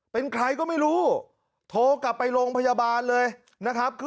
เป็นใครก็ไม่รู้โทรกลับไปโรงพยาบาลเลยนะครับ